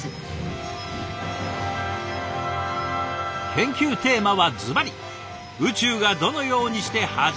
研究テーマはずばり「宇宙がどのようにして始まったのか」。